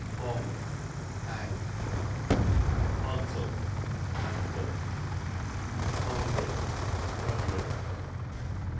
Hong, hang. Hontle, handful. Hongry, hungry.